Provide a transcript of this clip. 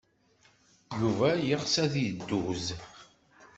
Yuba yeɣs ad teddud.